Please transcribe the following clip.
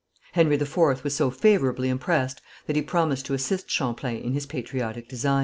Henry IV was so favourably impressed that he promised to assist Champlain in his patriotic designs.